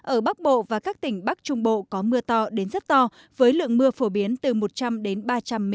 ở bắc bộ và các tỉnh bắc trung bộ có mưa to đến rất to với lượng mưa phổ biến từ một trăm linh đến ba trăm linh mm